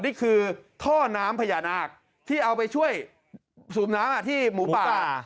นี่คือท่อน้ำพญานาคที่เอาไปช่วยสูบน้ำที่หมูป่า